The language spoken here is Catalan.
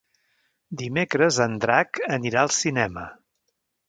Dimecres en Drac anirà al cinema.